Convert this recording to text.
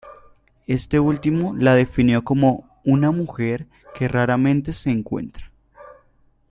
Este último la definió como "una mujer que raramente se encuentra".